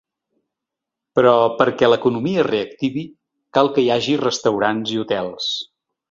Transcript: Però perquè l’economia es reactivi, cal que hi hagi restaurants i hotels.